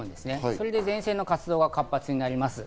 それで前線の活動が活発になります。